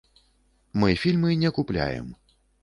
Мы фільмы не купляем.